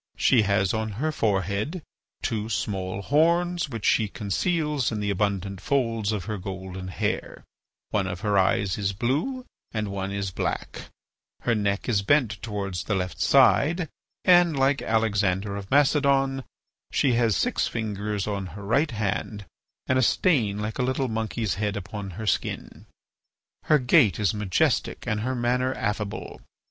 She has on her forehead two small horns which she conceals in the abundant folds of her golden hair; one of her eyes is blue and one is black; her neck is bent towards the left side; and, like Alexander of Macedon, she has six fingers on her right hand, and a stain like a little monkey's head upon her skin. "Her gait is majestic and her manner affable.